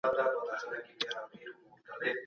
هغه پوه سړي به خلګو ته د صبر او استقامت درسونه ورکول.